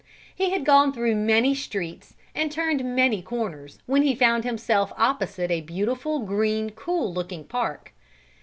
He had gone through many streets and turned many corners, when he found himself opposite a beautiful, green, cool looking park.